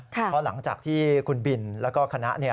เพราะหลังจากที่คุณบินแล้วก็คณะ